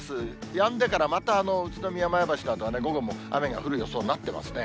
やんでからまた宇都宮、前橋などは午後も雨が降る予想になっていますね。